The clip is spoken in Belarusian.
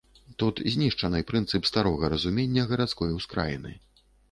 Тут знішчаны прынцып старога разумення гарадской ускраіны.